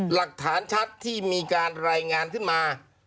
หลักฐานชัดที่มีการรายงานขึ้นมา